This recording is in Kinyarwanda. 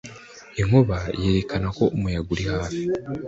Inkuba yerekana ko umuyaga uri hafi.